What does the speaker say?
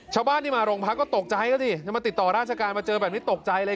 ชาวบ้านที่มาโรงพักก็ตกใจก็สิจะมาติดต่อราชการมาเจอแบบนี้ตกใจเลย